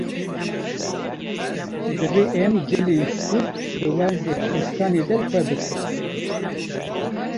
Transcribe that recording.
Divê em cilên stûr di werzê zivistanê de li xwe bikin.